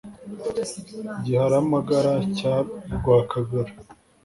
Giharamagara cya Rwakagara